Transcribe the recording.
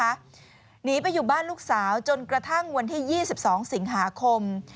หนีไปอยู่บ้านลูกสาวจนกระทั่งวันที่๒๒สิงหาคม